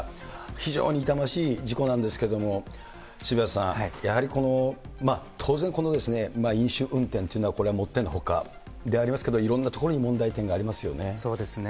非常に痛ましい事故なんですけれども、渋谷さん、やはり当然、この飲酒運転というのは、これはもってのほかでありますけど、いろんなところに問題点があそうですね。